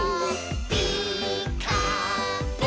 「ピーカーブ！」